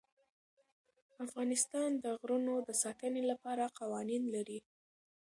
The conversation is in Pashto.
افغانستان د غرونه د ساتنې لپاره قوانین لري.